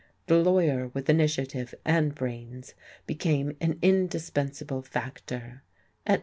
The lawyer with initiative and brains became an indispensable factor," etc.